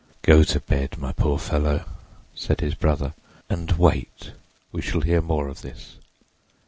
"Go to bed, my poor fellow," said his brother, "and—wait. We shall hear more of this."